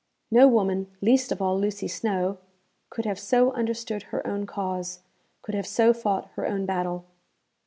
No woman, least of all Lucy Snowe, could have so understood her own cause, could have so fought her own battle.'